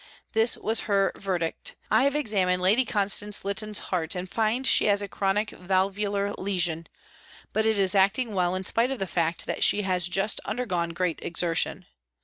This was her verdict :" I have examined Lady Constance Lytton's heart and find she has a chronic valvular lesion, but it is acting well in spite of the fact that she has just undergone great exertion."